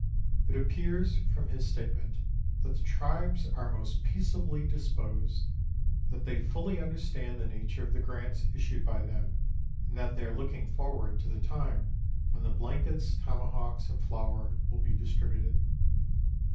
It appears, from his state ment, that the tribes are most peaceably disposed ; that they fully understand the nature of the grants issued by them, and that they are looking forward to the time when the blankets, tomahawks, and flour will be distributed.